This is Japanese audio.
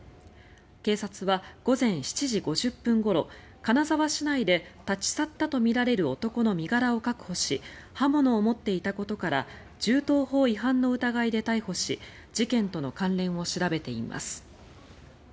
警察は午前７時５０分ごろ金沢市内で立ち去ったとみられる男の身柄を確保し刃物を持っていたことから銃刀法違反の疑いで逮捕し事件との関連を調べています。